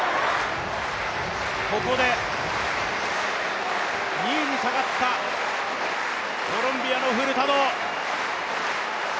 ここで、２位に下がったコロンビアのフルタド。